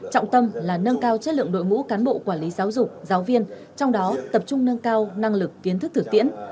trọng tâm là nâng cao chất lượng đội ngũ cán bộ quản lý giáo dục giáo viên trong đó tập trung nâng cao năng lực kiến thức thực tiễn